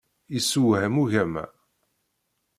Yessewham ugama.